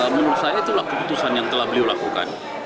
menurut saya itu adalah keputusan yang telah beliau lakukan